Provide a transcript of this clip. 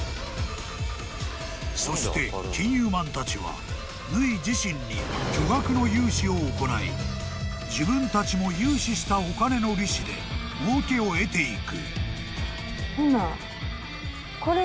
［そして金融マンたちは縫自身に巨額の融資を行い自分たちも融資したお金の利子でもうけを得ていく］